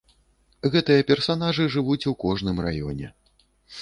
Гэтыя персанажы жывуць у кожным раёне.